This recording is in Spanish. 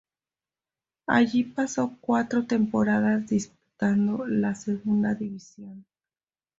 Allí, pasó cuatro temporadas disputando la Segunda División.